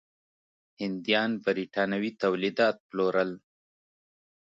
هندیان برېټانوي تولیدات پلورل.